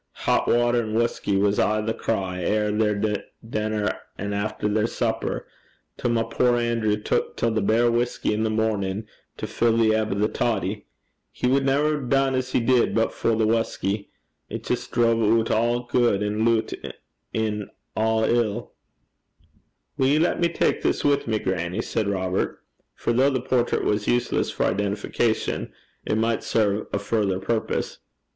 Het watter and whusky was aye the cry efter their denner an' efter their supper, till my puir Anerew tuik till the bare whusky i' the mornin' to fill the ebb o' the toddy. He wad never hae dune as he did but for the whusky. It jist drave oot a' gude and loot in a' ill.' 'Wull ye lat me tak this wi' me, grannie?' said Robert; for though the portrait was useless for identification, it might serve a further purpose.